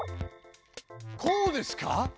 こうですか？